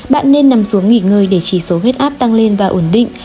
bạn nên nằm xuống nghỉ ngơi để chỉ số huyết áp tăng lên và ổn định